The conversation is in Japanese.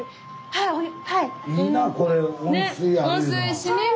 はい。